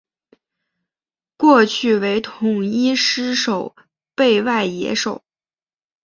过去为统一狮守备外野手。